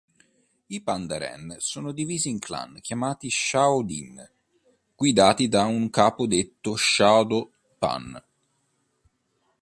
I pandaren sono divisi in clan, chiamati "shao'din", guidati da un capo detto "shodo-pan".